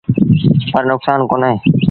پر نڪسآݩ ڪونهي۔